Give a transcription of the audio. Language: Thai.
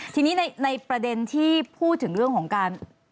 ทีนี้ในประเด็นที่พูดถึงเรื่องของการ